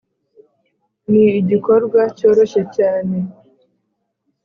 ni igikorwa cyoroshye cyane